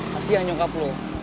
kasian nyokap lu